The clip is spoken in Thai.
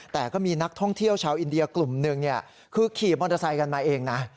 แต่ก็มีนักท่องเที่ยวชาวอินเดียกลุ่มหนึ่งคือขี่มอเตอร์ไซค์กันมาเองนะ